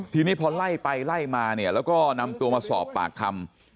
ทีนี้พอไล่ไปไล่มาเนี่ยแล้วก็นำตัวมาสอบปากคำ